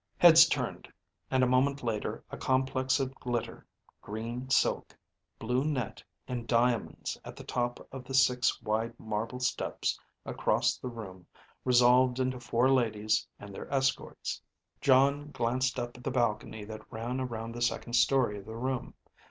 Heads turned, and a moment later a complex of glitter, green silk, blue net, and diamonds at the top of the six wide marble steps across the room resolved into four ladies and their escorts. Jon glanced up at the balcony than ran around the second story of the room.